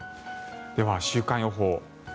では、週間予報。